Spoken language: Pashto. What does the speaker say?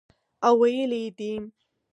او ویلي یې دي